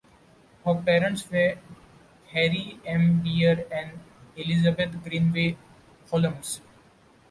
His parents were Harry M. Beer and Elizabeth Greenway Holmes.